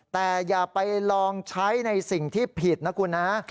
แต่อย่าไปลองใช้ในสิ่งที่ผิดนะคุณนะ